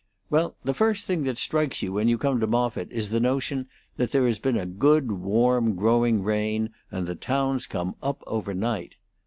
Well, the first thing that strikes you when you come to Moffitt is the notion that there has been a good warm, growing rain, and the town's come up overnight.